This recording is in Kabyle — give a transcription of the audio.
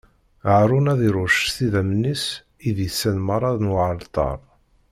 Haṛun ad iṛucc s idammen-is idisan meṛṛa n uɛalṭar.